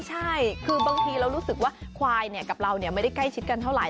ใช่คือบางทีเรารู้สึกว่าควายกับเราไม่ได้ใกล้ชิดกันเท่าไห